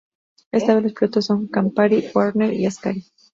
Esta vez los pilotos son Campari, Wagner y Ascari.